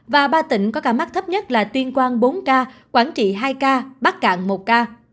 và ba tỉnh có ca mắc thấp nhất là tuyên quang bốn ca quảng trị hai ca bắc cạn một ca